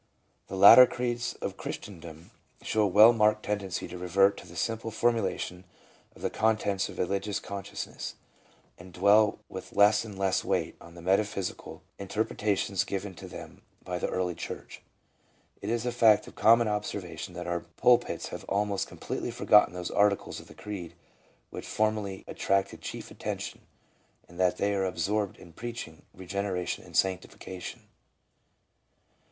The later creeds of Chris tendom show a well marked tendency to revert to the simple formulation of the contents of the religious consciousness, and dwell with less and less weight on the metaphysical in terpretations given to them by the early church. It is a fact of common observation that our pulpits have almost com pletely forgotten those articles of the creed which formerly attracted chief attention, and that they are absorbed in preaching regeneration and sanctification.